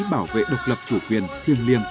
bảo vệ độc lập chủ quyền thiên liêng